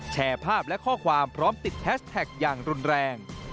แชร์ภาพและข้อความพร้อมติดแฮชแท็กอย่างรุนแรง